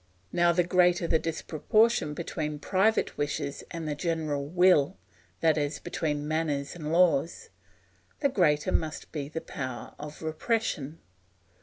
Now the greater the disproportion between private wishes and the general will, i.e., between manners and laws, the greater must be the power of repression.